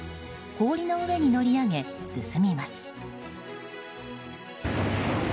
氷の上に乗り上げ、進みます。